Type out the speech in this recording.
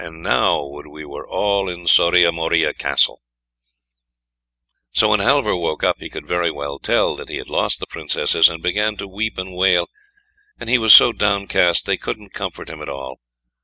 and now would we were all in Soria Moria Castle." So when Halvor woke up, he could very well tell that he had lost the Princesses, and began to weep and wail; and he was so downcast, they couldn't comfort him at all.